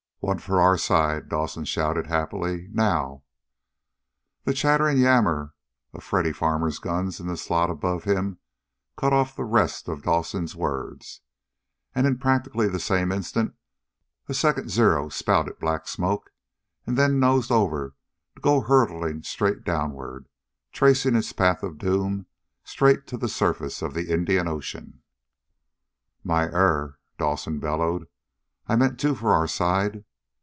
"One for our side!" Dawson shouted happily. "Now !" The chattering yammer of Freddy Farmer's guns in the slot above him cut off the rest of Dawson's words. And in practically the same instant a second Zero spouted black smoke, and then nosed over to go hurtling straight downward, tracing its path of doom straight to the surface of the Indian Ocean. "My error!" Dawson bellowed. "I meant, two for our side.